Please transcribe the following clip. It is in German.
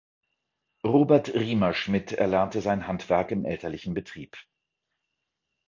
Robert Riemerschmid erlernte sein Handwerk im elterlichen Betrieb.